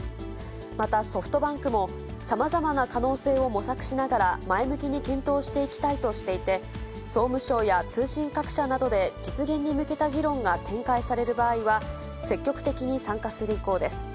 またソフトバンクも、さまざまな可能性を模索ながら前向きに検討していきたいとしていて、総務省や通信各社などで実現に向けた議論が展開される場合は、積極的に参加する意向です。